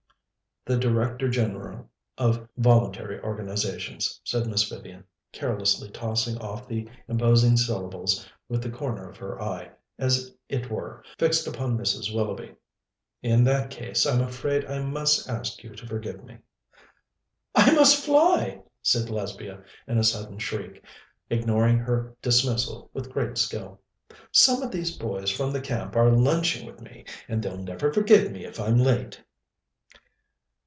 "The Director General of Voluntary Organizations," said Miss Vivian, carelessly tossing off the imposing syllables, with the corner of her eye, as it were, fixed upon Mrs. Willoughby. "In that case, I'm afraid I must ask you to forgive me." "I must fly," said Lesbia in a sudden shriek, ignoring her dismissal with great skill. "Some of those boys from the camp are lunching with me, and they'll never forgive me if I'm late."